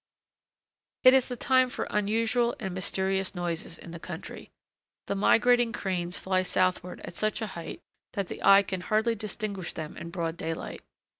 It is the time for unusual and mysterious noises in the country. The migrating cranes fly southward at such a height that the eye can hardly distinguish them in broad daylight.